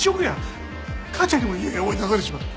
母ちゃんにも家追い出されちまう。